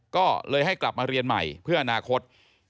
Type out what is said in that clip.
ก็เลยให้กลับมาเรียนใหม่เพื่ออนาคต